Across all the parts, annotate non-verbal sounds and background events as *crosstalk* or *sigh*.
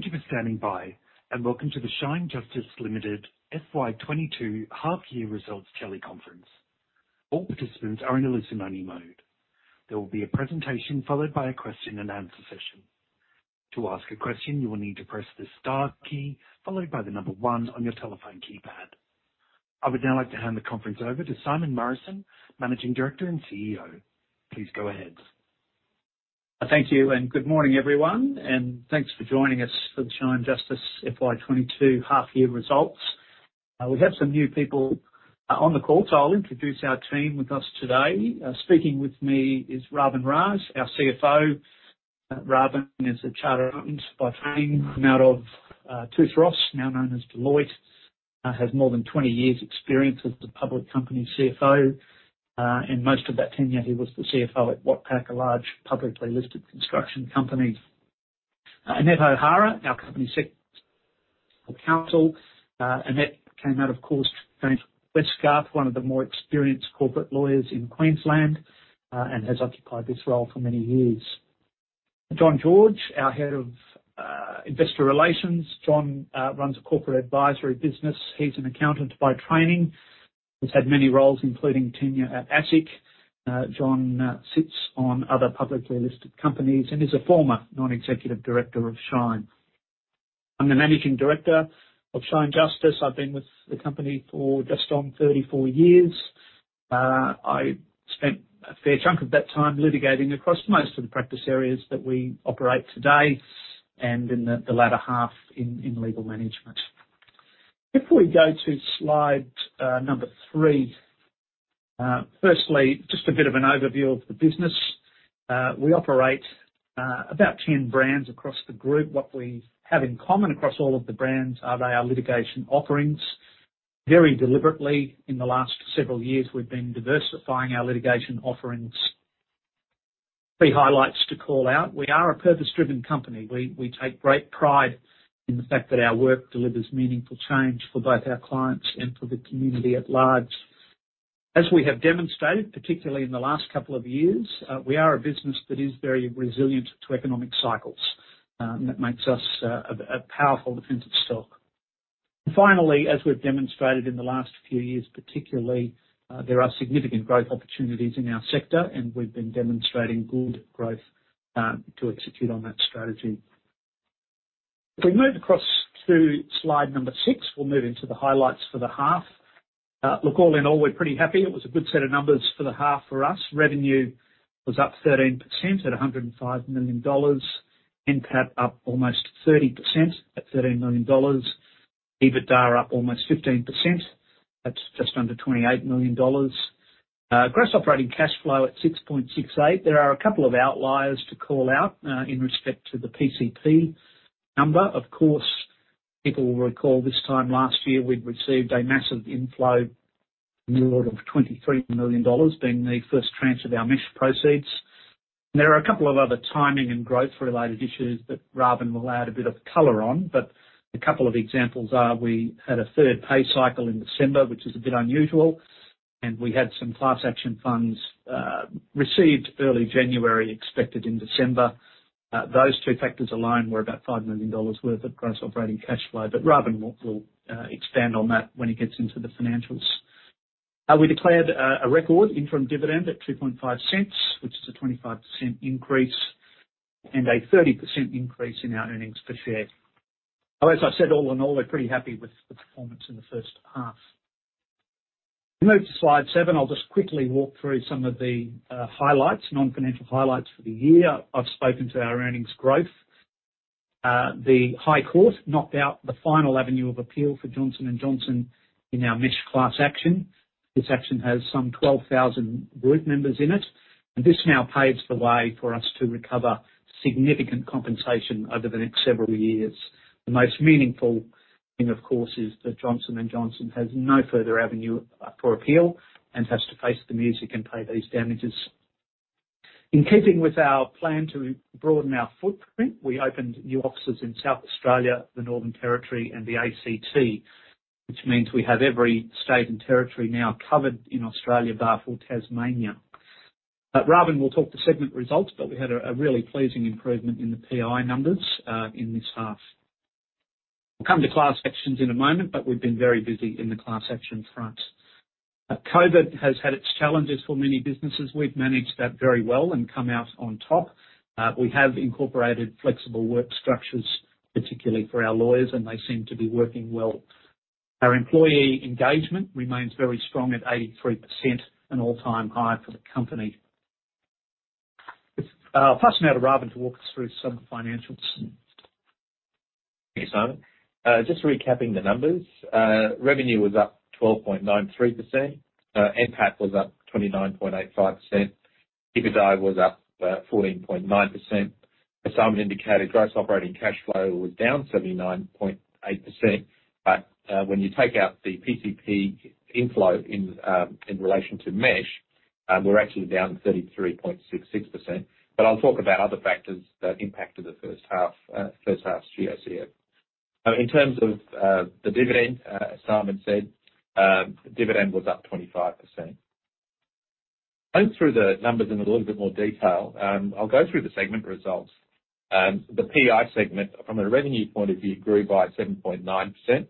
Thank you for standing by, and welcome to the Shine Justice Ltd FY 2022 half year results teleconference. All participants are in a listen only mode. There will be a presentation followed by a question and answer session. To ask a question, you will need to press the star key followed by the number one on your telephone keypad. I would now like to hand the conference over to Simon Morrison, Managing Director and CEO. Please go ahead. Thank you and good morning, everyone, and thanks for joining us for the Shine Justice FY 2022 half year results. We have some new people on the call, so I'll introduce our team with us today. Speaking with me is Ravin Raj, our CFO. Ravin is a chartered accountant by training, came out of Touche Ross, now known as Deloitte. Has more than 20 years’ experience as the public company CFO. Most of that tenure, he was the CFO at Watpac, a large publicly listed construction company. Annette O'Hara, our General Counsel and Company Secretary. Annette came out, of course, from Westpac, one of the more experienced corporate lawyers in Queensland, and has occupied this role for many years. John George, our Head of Investor Relations. John runs a corporate advisory business. He's an accountant by training. He's had many roles, including tenure at ASIC. John sits on other publicly listed companies and is a former Non-Executive Director of Shine. I'm the Managing Director of Shine Justice. I've been with the company for just on 34 years. I spent a fair chunk of that time litigating across most of the practice areas that we operate today and in the latter half in legal management. If we go to slide number three. Firstly, just a bit of an overview of the business. We operate about 10 brands across the group. What we have in common across all of the brands are they are litigation offerings. Very deliberately, in the last several years, we've been diversifying our litigation offerings. The highlights to call out. We are a purpose-driven company. We take great pride in the fact that our work delivers meaningful change for both our clients and for the community at large. As we have demonstrated, particularly in the last couple of years, we are a business that is very resilient to economic cycles, and that makes us a powerful defensive stock. Finally, as we've demonstrated in the last few years, particularly, there are significant growth opportunities in our sector, and we've been demonstrating good growth to execute on that strategy. If we move across to slide number six, we'll move into the highlights for the half. Look, all in all, we're pretty happy. It was a good set of numbers for the half for us. Revenue was up 13% at 105 million dollars. NPAT up almost 30% at 13 million dollars. EBITDA up almost 15% at just under 28 million dollars. Gross operating cash flow at 6.68 million. There are a couple of outliers to call out in respect to the PCP number. Of course, people will recall this time last year we'd received a massive inflow in the order of 23 million dollars being the first tranche of our mesh proceeds. There are a couple of other timing and growth related issues that Ravin will add a bit of color on, but a couple of examples are we had a third pay cycle in December, which is a bit unusual, and we had some class action funds received early January, expected in December. Those two factors alone were about 5 million dollars worth of gross operating cash flow, but Ravin will expand on that when he gets into the financials. We declared a record interim dividend at 0.025, which is a 25% increase and a 30% increase in our earnings per share. As I said, all in all, we're pretty happy with the performance in the first half. If we move to slide seven, I'll just quickly walk through some of the highlights, non-financial highlights for the year. I've spoken to our earnings growth. The High Court knocked out the final avenue of appeal for Johnson & Johnson in our Mesh Class Action. This action has some 12,000 group members in it, and this now paves the way for us to recover significant compensation over the next several years. The most meaningful thing, of course, is that Johnson & Johnson has no further avenue for appeal and has to face the music and pay these damages. In keeping with our plan to broaden our footprint, we opened new offices in South Australia, the Northern Territory and the ACT, which means we have every state and territory now covered in Australia, bar for Tasmania. Ravin will talk to segment results, but we had a really pleasing improvement in the PI numbers in this half. We'll come to class actions in a moment, but we've been very busy in the class action front. COVID has had its challenges for many businesses. We've managed that very well and come out on top. We have incorporated flexible work structures, particularly for our lawyers, and they seem to be working well. Our employee engagement remains very strong at 83%, an all-time high for the company. I'll pass now to Ravin to walk us through some financials. Thanks, Simon. Just recapping the numbers. Revenue was up 12.93%. NPAT was up 29.85%. EBITDA was up 14.9%. As Simon indicated, gross operating cash flow was down 79.8%. When you take out the PCP inflow in relation to Mesh, we're actually down 33.66%. I'll talk about other factors that impacted the first half's GOCF. In terms of the dividend, as Simon said, dividend was up 25%. Going through the numbers in a little bit more detail, I'll go through the segment results. The PI segment from a revenue point of view grew by 7.9%. The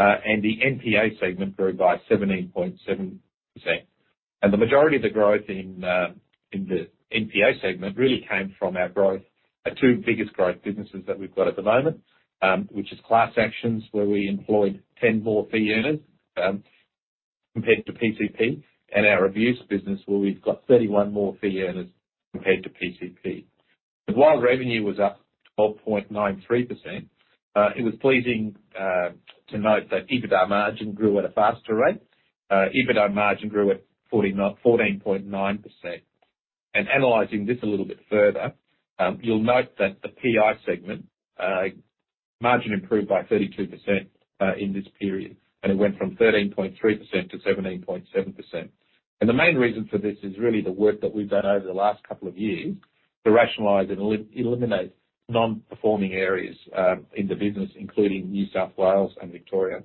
NPA segment grew by 17.7%. The majority of the growth in the NPA segment really came from our growth, our two biggest growth businesses that we've got at the moment. Which is class actions where we employed 10 more fee earners compared to PCP and our Abuse business, where we've got 31 more fee earners compared to PCP. While revenue was up 12.93%, it was pleasing to note that EBITDA margin grew at a faster rate. EBITDA margin grew at 14.9%. Analyzing this a little bit further, you'll note that the PI segment margin improved by 32% in this period, and it went from 13.3% to 17.7%. The main reason for this is really the work that we've done over the last couple of years to rationalize and eliminate non-performing areas in the business, including New South Wales and Victoria.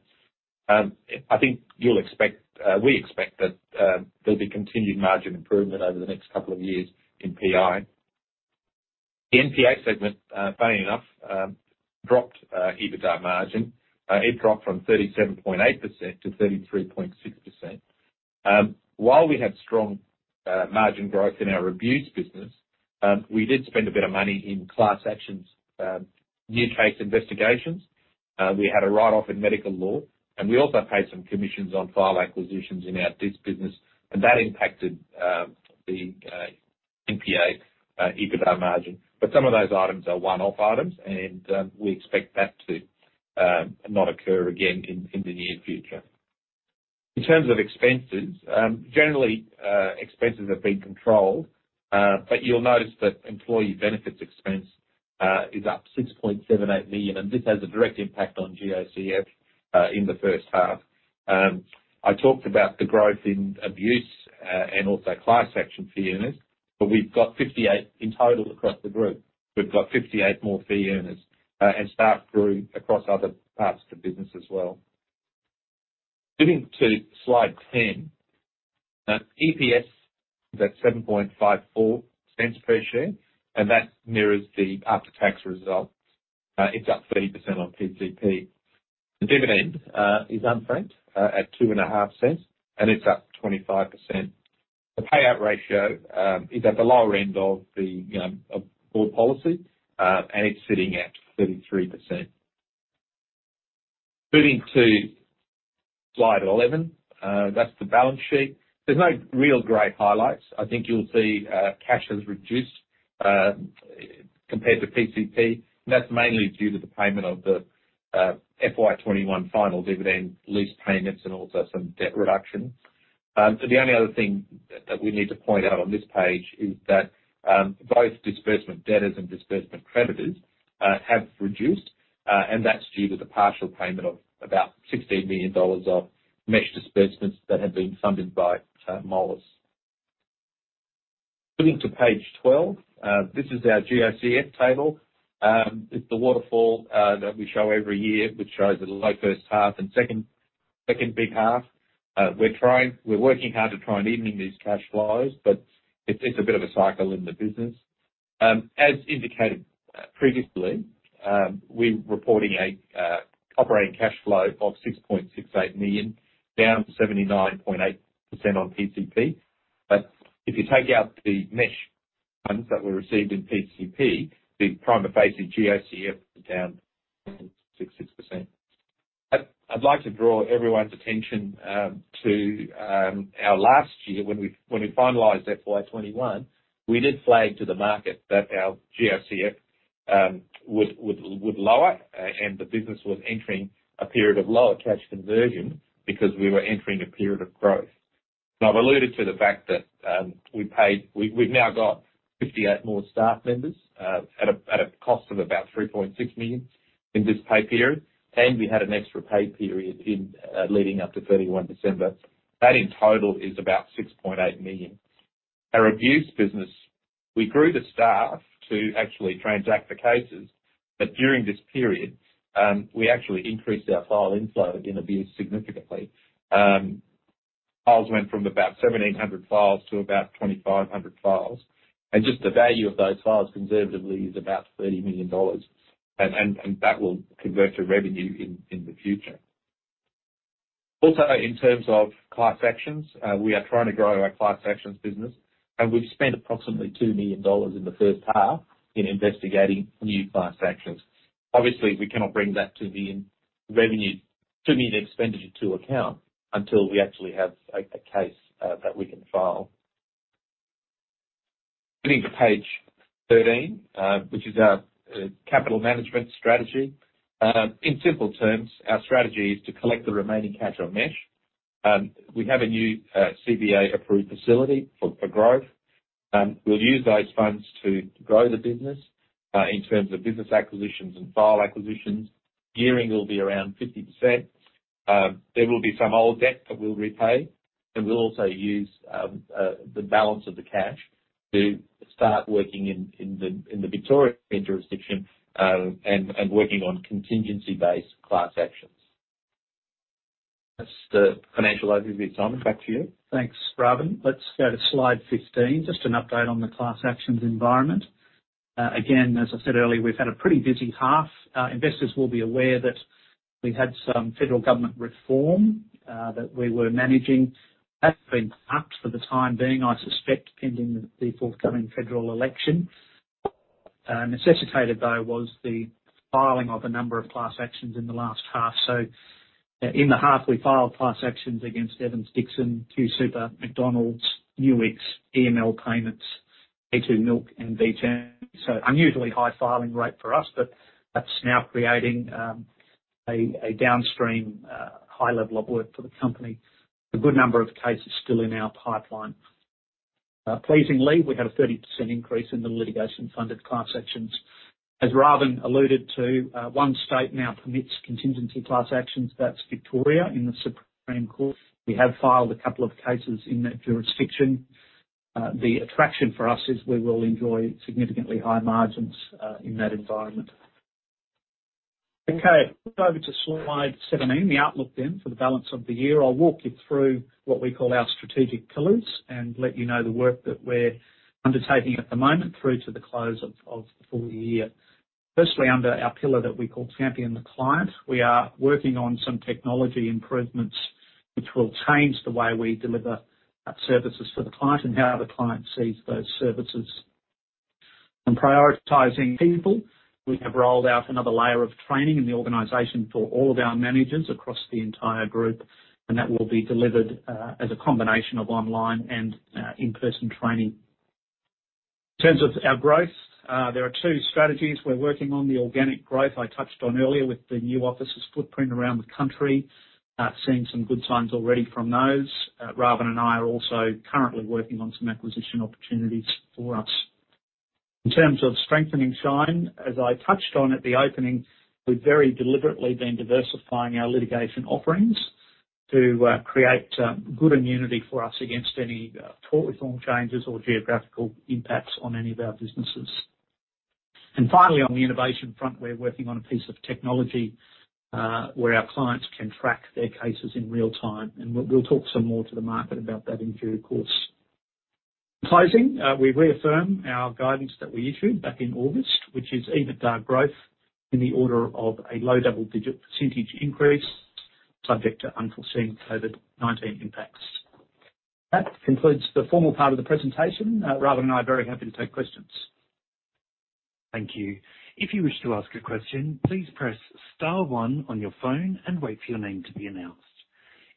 I think you'll expect, we expect that there'll be continued margin improvement over the next couple of years in PI. The NPA segment, funnily enough, dropped EBITDA margin. It dropped from 37.8% to 33.6%. While we had strong margin growth in our Abuse business, we did spend a bit of money in class actions, new case investigations. We had a write-off in medical law, and we also paid some commissions on file acquisitions in our DIS business, and that impacted the NPA EBITDA margin. Some of those items are one-off items, and we expect that to not occur again in the near future. In terms of expenses, generally, expenses have been controlled, but you'll notice that employee benefits expense is up 6.78 million, and this has a direct impact on GOCF in the first half. I talked about the growth in Abuse and also class action fee earners, but we've got 58 in total across the group. We've got 58 more fee earners, and staff grew across other parts of the business as well. Moving to slide 10. EPS is at 0.0754 per share, and that mirrors the after-tax result. It's up 30% on PCP. The dividend is unfranked at 0.025, and it's up 25%. The payout ratio is at the lower end of the board policy, and it's sitting at 33%. Moving to slide 11. That's the balance sheet. There's no real great highlights. I think you'll see, cash has reduced, compared to PCP. That's mainly due to the payment of the FY 2021 final dividend lease payments and also some debt reduction. The only other thing that we need to point out on this page is that both disbursement debtors and disbursement creditors have reduced and that's due to the partial payment of about 16 million dollars of Mesh disbursements that have been funded by [self funding]. Moving to page 12. This is our GOCF table. It's the waterfall that we show every year, which shows a low first half and second big half. We're working hard to try and even these cash flows, but it's a bit of a cycle in the business. As indicated previously, we're reporting an operating cash flow of 6.68 million, down 79.8% on PCP. If you take out the mesh funds that were received in PCP, the prima facie GOCF is down 66%. I'd like to draw everyone's attention to our last year when we finalized FY 2021. We did flag to the market that our GOCF was lower, and the business was entering a period of lower cash conversion because we were entering a period of growth. Now, I've alluded to the fact that we paid. We've now got 58 more staff members at a cost of about 3.6 million in this pay period, and we had an extra pay period in leading up to 31 December. That in total is about 6.8 million. Our Abuse business, we grew the staff to actually transact the cases, but during this period, we actually increased our file inflow in Abuse significantly. Files went from about 1,700 files to about 2,500 files. And just the value of those files conservatively is about 30 million dollars. That will convert to revenue in the future. Also, in terms of class actions, we are trying to grow our Class Actions business, and we've spent approximately 2 million dollars in the first half in investigating new class actions. Obviously, we cannot bring that to the expenditure to account until we actually have a case that we can file. Moving to page 13, which is our capital management strategy. In simple terms, our strategy is to collect the remaining cash on Mesh. We have a new CBA-approved facility for growth. We'll use those funds to grow the business in terms of business acquisitions and file acquisitions. Gearing will be around 50%. There will be some old debt that we'll repay. We'll also use the balance of the cash to start working in the Victorian jurisdiction and working on contingency-based class actions. That's the financial overview. Simon, back to you. Thanks, Ravin. Let's go to slide 15. Just an update on the class actions environment. Again, as I said earlier, we've had a pretty busy half. Investors will be aware that we had some federal government reform that we were managing. That's been cut for the time being, I suspect, pending the forthcoming federal election. Necessitated, though, was the filing of a number of class actions in the last half. In the half we filed class actions against Evans Dixon, QSuper, McDonald's, Nuix, EML Payments, A2 Milk, and Viva Energy. Unusually high filing rate for us, but that's now creating a downstream high level of work for the company. A good number of cases still in our pipeline. Pleasingly, we had a 30% increase in the litigation-funded class actions. As Ravin alluded to, one state now permits contingency class actions. That's Victoria in the Supreme Court. We have filed a couple of cases in that jurisdiction. The attraction for us is we will enjoy significantly higher margins in that environment. Okay, over to slide 17, the outlook then for the balance of the year. I'll walk you through what we call our strategic pillars and let you know the work that we're undertaking at the moment through to the close of the full year. Firstly, under our pillar that we call Champion the Client, we are working on some technology improvements which will change the way we deliver services for the client and how the client sees those services. On prioritizing people, we have rolled out another layer of training in the organization for all of our managers across the entire group, and that will be delivered as a combination of online and in-person training. In terms of our growth, there are two strategies we're working on, the organic growth I touched on earlier with the new offices footprint around the country, seeing some good signs already from those. Ravin and I are also currently working on some acquisition opportunities for us. In terms of strengthening Shine, as I touched on at the opening, we've very deliberately been diversifying our litigation offerings to create good immunity for us against any tort reform changes or geographical impacts on any of our businesses. Finally, on the innovation front, we're working on a piece of technology, where our clients can track their cases in real time, and we'll talk some more to the market about that in due course. In closing, we reaffirm our guidance that we issued back in August, which is EBITDA growth in the order of a low double-digit percentage increase subject to unforeseen COVID-19 impacts. That concludes the formal part of the presentation. Ravin and I are very happy to take questions. Thank you. If you wish to ask a question please press star one on your phone and wait for your name to be announced.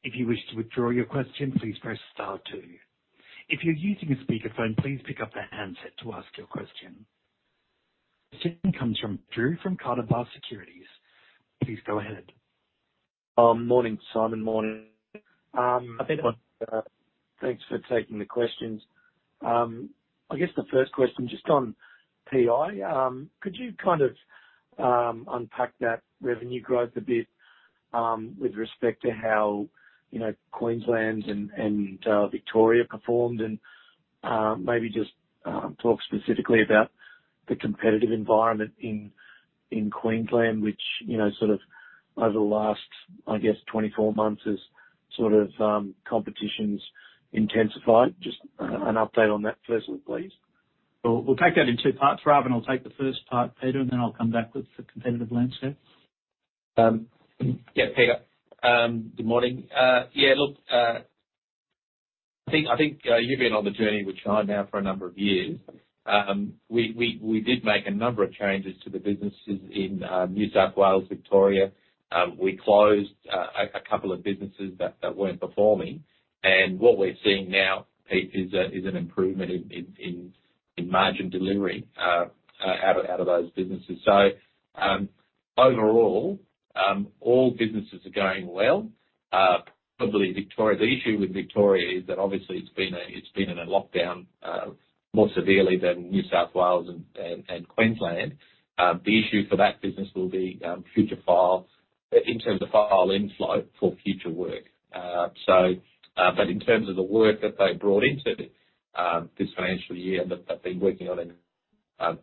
If you wish to withdraw your question please press star two. If you're using a speakerphone please pick up the handset to ask your question. The first question comes from Drew from Carter Bar Securities. Please go ahead. Morning, Simon. Morning. I think thanks for taking the questions. I guess the first question, just on PI. Could you kind of unpack that revenue growth a bit with respect to how, you know, Queensland and Victoria performed? Maybe just talk specifically about the competitive environment in Queensland, which, you know, sort of over the last, I guess, 24 months has sort of competition's intensified. Just an update on that firstly, please. We'll take that in two parts. Ravin will take the first part, Peter, and then I'll come back with the competitive landscape. Yeah, Peter, good morning. Yeah, look, Pete, I think you've been on the journey with Shine now for a number of years. We did make a number of changes to the businesses in New South Wales, Victoria. We closed a couple of businesses that weren't performing. What we're seeing now, Pete, is an improvement in margin delivery out of those businesses. Overall, all businesses are doing well. The issue with Victoria is that obviously it's been in a lockdown more severely than New South Wales and Queensland. The issue for that business will be future file inflow for future work. in terms of the work that they brought into this financial year that they've been working on,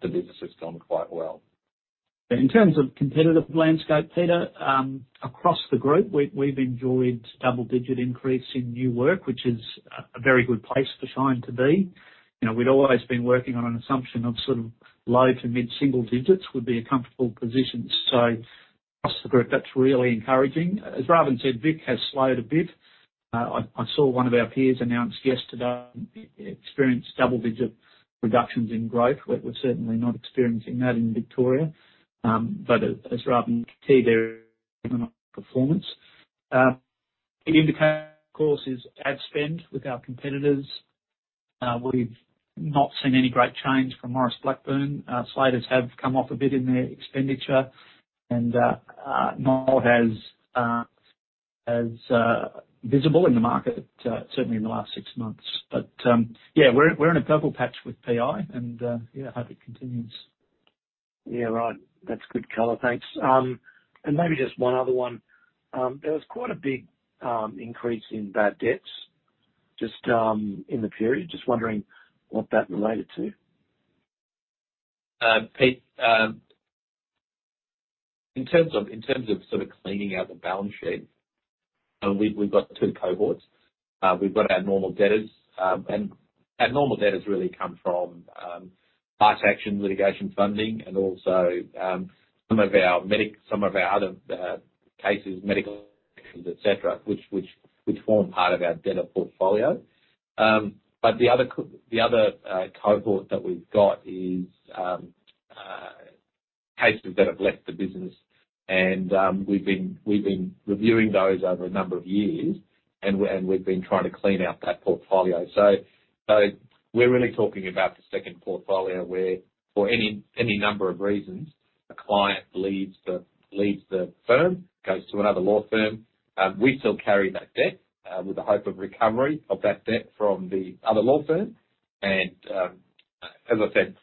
the business has gone quite well. In terms of competitive landscape, Peter, across the group, we've enjoyed double-digit increase in new work, which is a very good place for Shine to be. You know, we'd always been working on an assumption of sort of low-to-mid single digits would be a comfortable position. Across the group, that's really encouraging. As Ravin said, Vic has slowed a bit. I saw one of our peers announce yesterday it experienced double-digit reductions in growth. We're certainly not experiencing that in Victoria. But as Ravin can see, their performance. An indicator, of course, is ad spend with our competitors. We've not seen any great change from Maurice Blackburn. Slaters have come off a bit in their expenditure. Noel has visible in the market, certainly in the last six months. Yeah, we're in a purple patch with PI, and yeah, hope it continues. Yeah, right. That's good color. Thanks. Maybe just one other one. There was quite a big increase in bad debts just in the period. Just wondering what that related to? Pete, in terms of sort of cleaning out the balance sheet, we've got two cohorts. We've got our normal debtors, and our normal debtors really come from class action litigation funding and also some of our other cases, medical et cetera, which form part of our debtor portfolio. The other cohort that we've got is cases that have left the business and we've been reviewing those over a number of years and we've been trying to clean out that portfolio. We're really talking about the second portfolio where for any number of reasons, a client leaves the firm, goes to another law firm. We still carry that debt with the hope of recovery of that debt from the other law firm. As I said,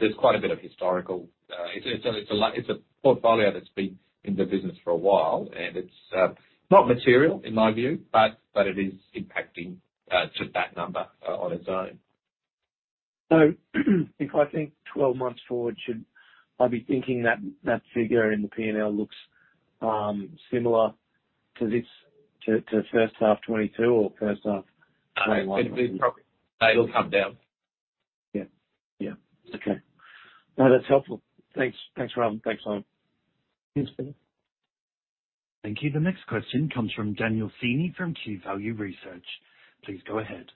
there's quite a bit of historical. It's a portfolio that's been in the business for a while, and it's not material in my view, but it is impacting to that number on its own. If I think 12 months forward, should I be thinking that figure in the P&L looks similar to this, to first half 2022 or first half 2021? No, it probably. It'll come down. Yeah. Yeah. Okay. No, that's helpful. Thanks. Thanks, Ravin. Thanks, Simon. Thanks, Peter. Thank you. The next question comes from Daniel Seeney from QValue Research. Please go ahead.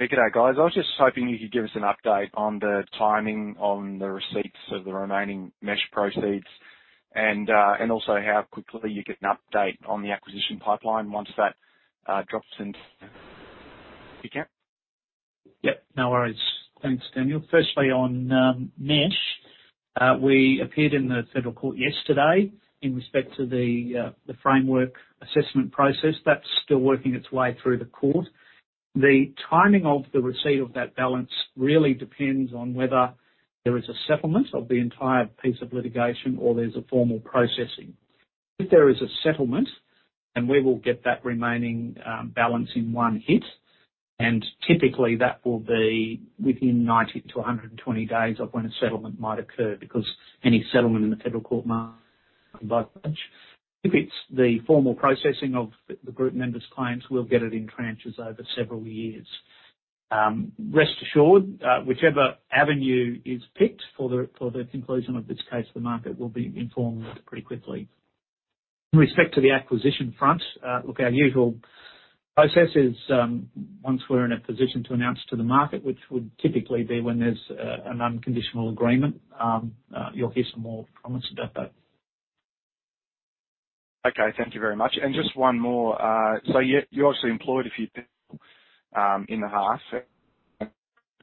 Hey, good day, guys. I was just hoping you could give us an update on the timing on the receipts of the remaining Mesh proceeds and also how quickly you get an update on the acquisition pipeline once that drops into. Yep, no worries. Thanks, Daniel. Firstly, on Mesh, we appeared in the Federal Court yesterday in respect to the framework assessment process. That's still working its way through the court. The timing of the receipt of that balance really depends on whether there is a settlement of the entire piece of litigation or there's a formal processing. If there is a settlement, then we will get that remaining balance in one hit, and typically that will be within 90-120 days of when a settlement might occur because any settlement in the Federal Court. *audio distortion* If it's the formal processing of the group members' claims, we'll get it in tranches over several years. Rest assured, whichever avenue is picked for the conclusion of this case, the market will be informed pretty quickly. In respect to the acquisition front, look, our usual process is once we're in a position to announce to the market, which would typically be when there's an unconditional agreement, you'll hear some more from us about that. Okay, thank you very much. Just one more. So you obviously employed a few people in the half *audio distortion* didn't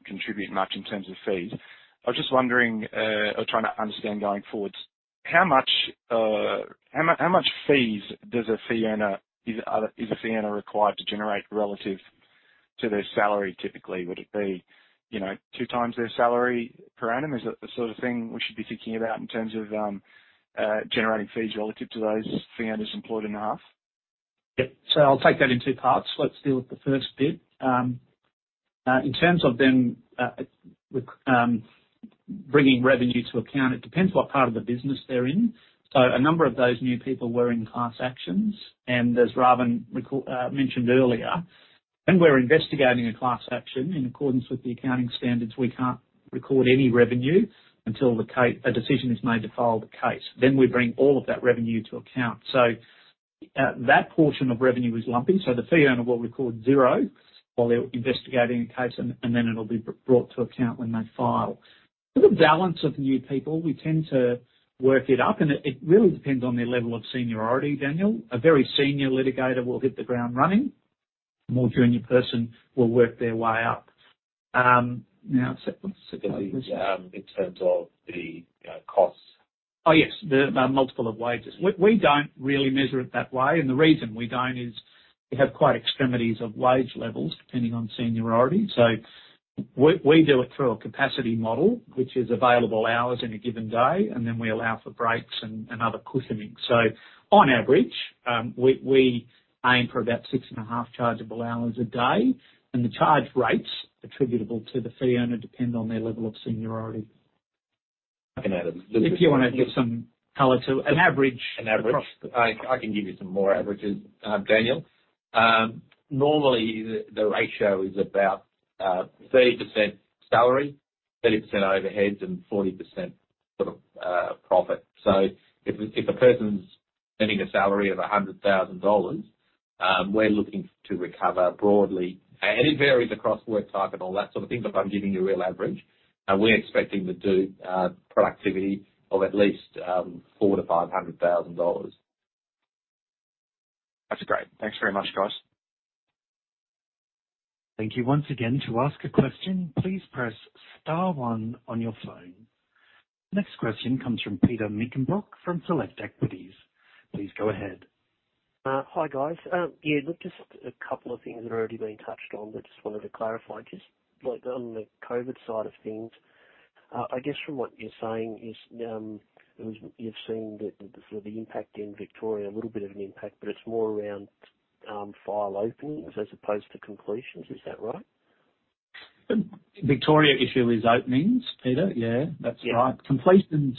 contribute much in terms of fees. I was just wondering or trying to understand going forwards, how much fees does a fee earner required to generate relative to their salary typically? Would it be, you know, two times their salary per annum? Is that the sort of thing we should be thinking about in terms of generating fees relative to those fee earners employed in the half? Yep. I'll take that in two parts. Let's deal with the first bit. In terms of them with bringing revenue to account, it depends what part of the business they're in. A number of those new people were in class actions, and as Ravin mentioned earlier, when we're investigating a class action in accordance with the accounting standards, we can't record any revenue until a decision is made to file the case. Then we bring all of that revenue to account. That portion of revenue is lumpy. The fee earner will record zero while they're investigating a case and then it'll be brought to account when they file. For the balance of new people, we tend to work it up, and it really depends on their level of seniority, Daniel. A very senior litigator will hit the ground running. A more junior person will work their way up. Now, what's the second question? In terms of the costs. Oh, yes. The multiple of wages. We don't really measure it that way, and the reason we don't is we have quite extremes of wage levels depending on seniority. We do it through a capacity model, which is available hours in a given day, and then we allow for breaks and other cushioning. On average, we aim for about 6.5 chargeable hours a day, and the charge rates attributable to the fee owner depend on their level of seniority. I can add a little bit. If you wanna give some color to an average- An average. Across the- I can give you some more averages, Daniel. Normally the ratio is about 30% salary, 30% overheads, and 40% sort of profit. So if a person's earning a salary of 100,000 dollars, we're looking to recover broadly. It varies across work type and all that sort of thing, but I'm giving you a real average. We're expecting to do productivity of at least 400,000-500,000 dollars. That's great. Thanks very much, guys. Thank you once again. To ask a question, please press star one on your phone. Next question comes from Peter Meichelboeck from Select Equities. Please go ahead. Hi, guys. Yeah, look, just a couple of things that have already been touched on but just wanted to clarify. Just, like, on the COVID side of things, I guess from what you're saying is you've seen the sort of impact in Victoria, a little bit of an impact, but it's more around file openings as opposed to completions. Is that right? Victoria issue is open, Peter. Yeah, that's right. Yeah. Completions,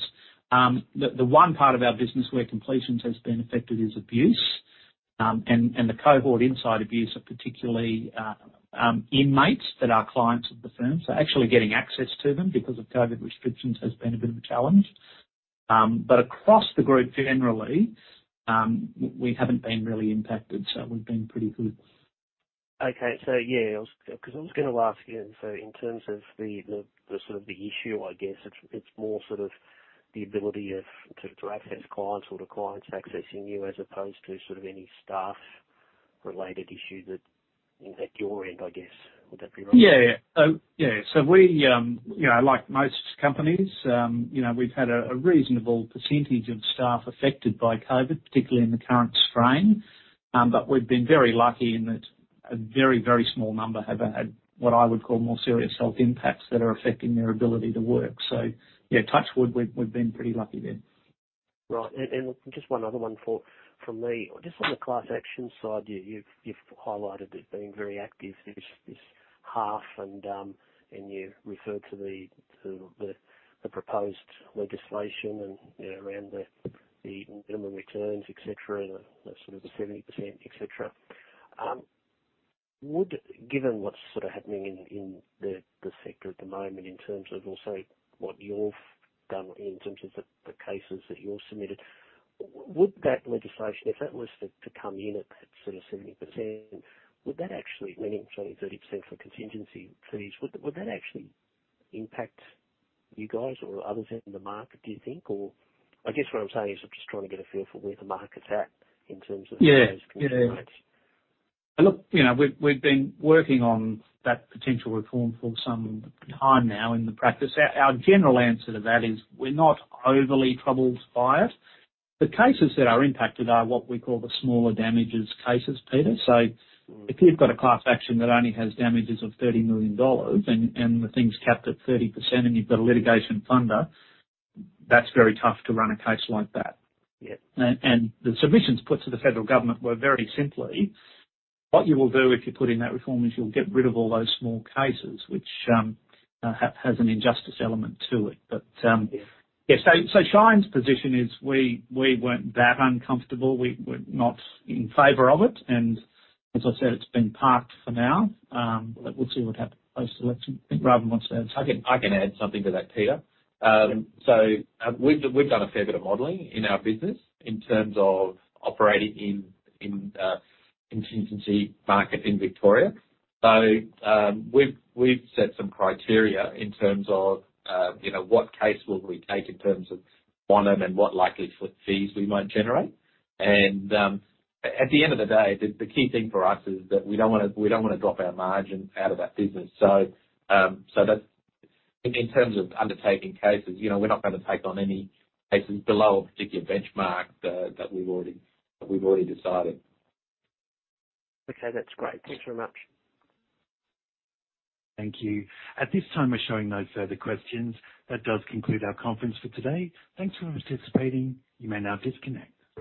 the one part of our business where completions has been affected is Abuse, and the cohort inside Abuse are particularly inmates that are clients of the firm. Actually getting access to them because of COVID restrictions has been a bit of a challenge. Across the group generally, we haven't been really impacted, so we've been pretty good. Okay. Yeah, I was, 'cause I was gonna ask you, so in terms of the sort of issue, I guess it's more sort of the ability to access clients or the clients accessing you as opposed to sort of any staff related issue that is at your end, I guess. Would that be right? Yeah. We, you know, like most companies, you know, we've had a reasonable percentage of staff affected by COVID, particularly in the current strain. We've been very lucky in that a very small number have had what I would call more serious health impacts that are affecting their ability to work. Yeah, touch wood, we've been pretty lucky there. Right. Just one other one from me. Just on the class action side, you've highlighted it being very active this half and you referred to the proposed legislation, you know, around the minimum returns, et cetera, the sort of 70%, et cetera. Given what's sort of happening in the sector at the moment in terms of also what you've done in terms of the cases that you've submitted, would that legislation, if that was to come in at that sort of 70%, meaning only 30% for contingency fees, actually impact you guys or others in the market, do you think? I guess what I'm saying is I'm just trying to get a feel for where the market's at in terms of- Yeah. Yeah. Contigencies. Look, you know, we've been working on that potential reform for some time now in the practice. Our general answer to that is we're not overly troubled by it. The cases that are impacted are what we call the smaller damages cases, Peter. If you've got a class action that only has damages of 30 million dollars and the thing's capped at 30% and you've got a litigation funder, that's very tough to run a case like that. The submissions put to the federal government were very simply what you will do if you put in that reform is you'll get rid of all those small cases which has an injustice element to it. Shine’s position is we weren't that uncomfortable. We were not in favor of it. As I said, it's been parked for now. We'll see what happens post-election. I think Ravin wants to add something. I can add something to that, Peter. We've done a fair bit of modeling in our business in terms of operating in contingency market in Victoria. We've set some criteria in terms of you know, what case will we take in terms of quantum and what likely fees we might generate. At the end of the day, the key thing for us is that we don't wanna drop our margin out of that business. In terms of undertaking cases, you know, we're not gonna take on any cases below a particular benchmark that we've already decided. Okay. That's great. Thanks very much. Thank you. At this time, we're showing no further questions. That does conclude our conference for today. Thanks for participating. You may now disconnect.